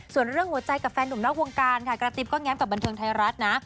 ส่วนเรื่องหัวใจกับแฟนหนุ่มนอกวงการค่ะกระติ๊บก็แง้มกับบันเทิงไทยรัฐนะ